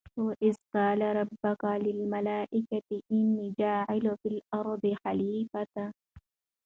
وَإِذْ قَالَ رَبُّكَ لِلْمَلٰٓئِكَةِ إِنِّى جَاعِلٌ فِى الْأَرْضِ خَلِيفَةً ۖ